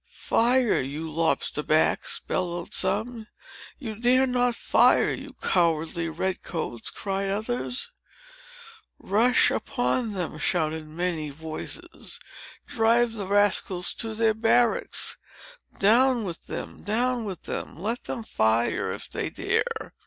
"Fire, you lobster backs!" bellowed some. "You dare not fire, you cowardly red coats," cried others. "Rush upon them!" shouted many voices. "Drive the rascals to their barracks! Down with them! Down with them! Let them fire, if they dare!"